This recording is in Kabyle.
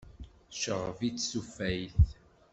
Tceɣɣeb-itt tufayt.